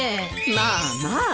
まあまあ。